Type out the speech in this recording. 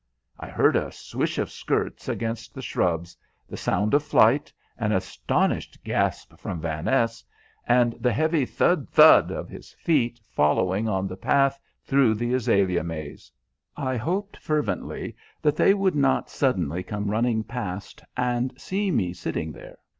I heard a swish of skirts against the shrubs, the sound of flight, an astonished gasp from Vaness, and the heavy thud, thud of his feet following on the path through the azalea maze. I hoped fervently that they would not suddenly come running past and see me sitting there.